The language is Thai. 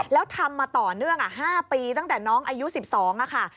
แล้วทำมาต่อเนื่อง๕ปีตั้งแต่น้องอายุ๑๒ค่ะ